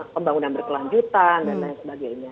pembangunan berkelanjutan dan lain sebagainya